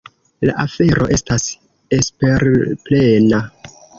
La afero estas esperplena.